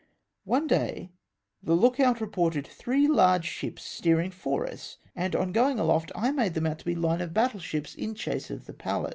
One day the look out reported three large ships steering for us, and on going aloft I made them out to be line of battle ships in chase of the Pallas.